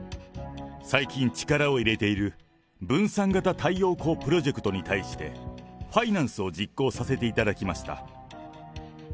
最近、力を入れている分散型太陽光プロジェクトに対して、ファイナンスを実行させていただきました。